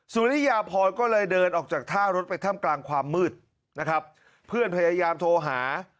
สุริยาพรก็เลยเดินออกจากท่ารถไปถ้ำกลางความมืดนะครับเพื่อนพยายามโทรหา